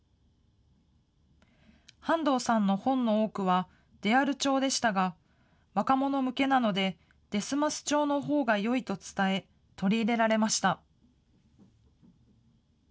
半藤さんの本の多くは、である調でしたが、若者向けなので、ですます調のほうがよいと伝え、取り入れられました。